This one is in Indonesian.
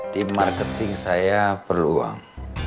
tim marketing saya perlu uang